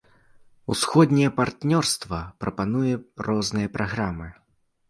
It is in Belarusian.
Усходняе партнёрства прапануе розныя праграмы.